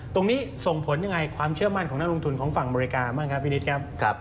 ตรงนี้ส่งผลยังไงความเชื่อมั่นของนักลงทุนของฝั่งอเมริกาบ้างครับพี่นิดครับ